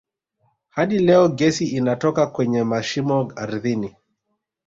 Hadi leo gesi inatoka kwenye mashimo ardhini